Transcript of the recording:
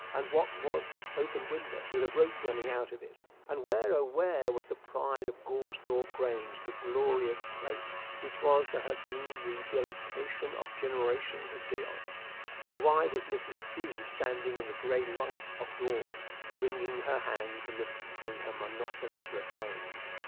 and what was this open window, with a rope running out of it? And where, oh, where, was the pride of Goresthorpe Grange, the glorious plate which was to have been the delectation of generations of D'Odds? And why was Mrs. D. standing in the gray light of dawn, wringing her hands and repeating her monotonous refrain?